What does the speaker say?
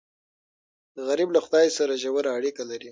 غریب له خدای سره ژور اړیکه لري